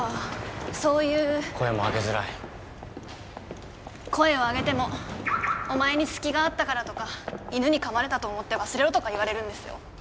そういう声も上げづらい声を上げてもお前に隙があったからとか犬に噛まれたと思って忘れろとか言われるんですよ